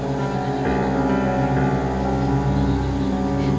ya tapi di jakarta itu ada perkampungan